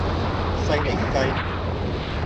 西檸雞